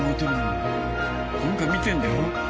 なんか見てるんだよね。